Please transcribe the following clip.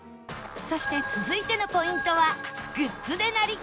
そして続いてのポイントは